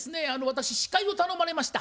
私司会を頼まれました。